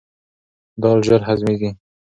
دال ژر هضمیږي.